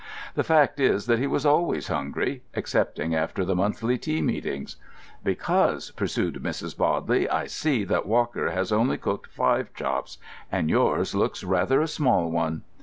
The fact is that he was always hungry, excepting after the monthly tea meetings. "Because," pursued Mrs. Bodley, "I see that Walker has only cooked five chops; and yours looks rather a small one."